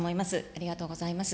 ありがとうございます。